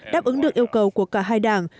đáp ứng được yêu cầu của cả hai đảng